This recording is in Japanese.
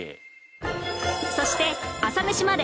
そして『朝メシまで。』